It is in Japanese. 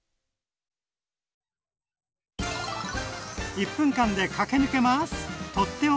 １分間で駆け抜けます！